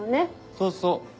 そうそう。